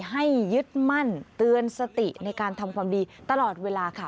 ยึดมั่นเตือนสติในการทำความดีตลอดเวลาค่ะ